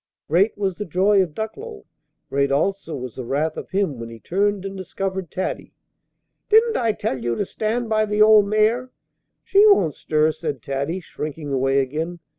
Great was the joy of Ducklow. Great also was the wrath of him when he turned and discovered Taddy. "Didn't I tell you to stand by the old mare?" "She won't stir," said Taddy, shrinking away again.